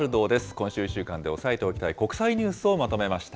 今週１週間で押さえておきたい国際ニュースをまとめました。